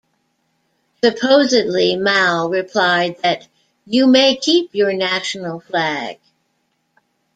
Supposedly Mao replied that "you may keep your national flag".